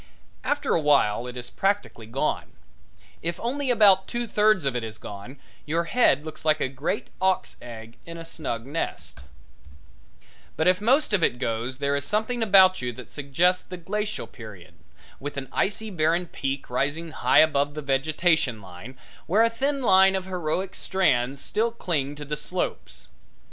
After a while it is practically gone. If only about two thirds of it is gone your head looks like a great auk's egg in a snug nest; but if most of it goes there is something about you that suggests the Glacial Period, with an icy barren peak rising high above the vegetation line, where a thin line of heroic strands still cling to the slopes.